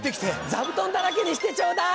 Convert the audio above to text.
座布団だらけにしてちょうだい！